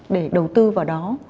để đầu tư vào đó